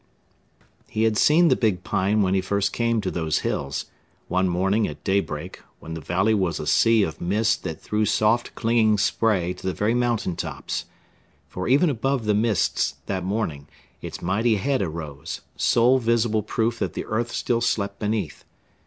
II He had seen the big pine when he first came to those hills one morning, at daybreak, when the valley was a sea of mist that threw soft clinging spray to the very mountain tops: for even above the mists, that morning, its mighty head arose sole visible proof that the earth still slept beneath.